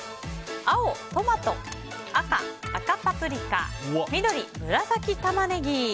青、トマト赤、赤パプリカ緑、紫タマネギ。